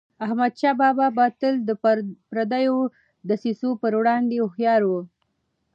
احمدشاه بابا به تل د پردیو دسیسو پر وړاندي هوښیار و.